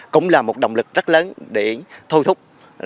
cũng là một động lực rất lớn để thôi thúc